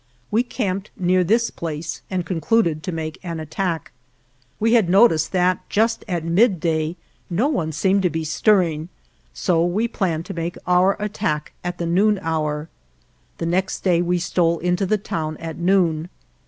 We camped near this place and concluded to make an attack. We had noticed that just at midday no one 71 GERONIMO seemed to be stirring; so we planned to make our attack at the noon hour. The next day we stole into the town at noon.